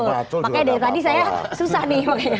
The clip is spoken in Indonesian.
makanya dari tadi saya susah nih